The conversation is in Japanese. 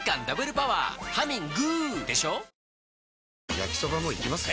焼きソバもいきます？